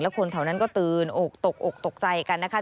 คนแถวนั้นก็ตื่นอกตกอกตกใจกันนะคะ